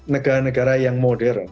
negara negara yang modern